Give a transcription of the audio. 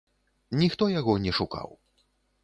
Ніхто яго не шукаў.